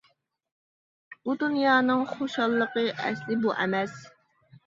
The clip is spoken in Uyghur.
بۇ دۇنيانىڭ خۇشاللىقى ئەسلى بۇ ئەمەس.